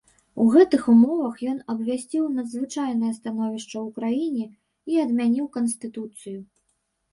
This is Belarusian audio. У гэтых умовах ён абвясціў надзвычайнае становішча ў краіне і адмяніў канстытуцыю.